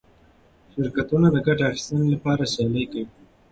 شرکتونه د ګټې اخیستنې لپاره سیالي کوي.